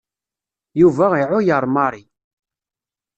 Yuba iεuyer Mary.